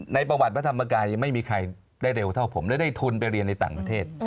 ในประวัติพระธรรมกายยังไม่มีใครได้เร็วเท่าผมและได้ทุนไปเรียนในต่างประเทศ